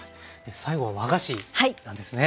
最後は和菓子なんですね。